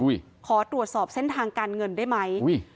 ขอตรวจสอบเส้นทางการเงินได้ไหมอุ้ย